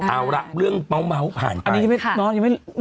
เอาล่ะเรื่องเบาผ่านใคร